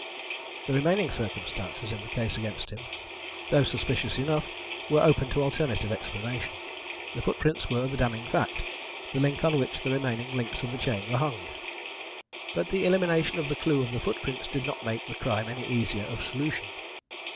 The remaining circumstances in the case against him, though suspicious enough, were open to an alternative explanation. The footprints were the damning fact the link on which the remaining links of the chain were hung. "But the elimination of the clue of the footprints did not make the crime any easier of solution.